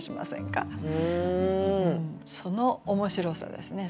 その面白さですね。